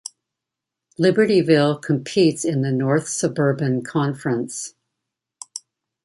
Libertyville competes in the North Suburban Conference.